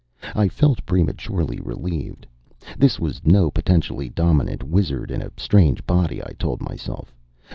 I felt prematurely relieved. This was no potentially dominant wizard in a strange body, I told myself.